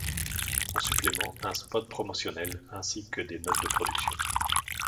En suppléments un spot promotionnel ainsi que des notes de productions.